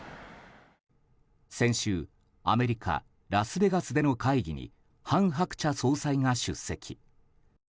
先週アメリカ・ラスベガスでの会議に韓鶴子総裁が出席。